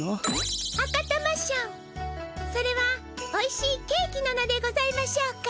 それはおいしいケーキの名でございましょうか？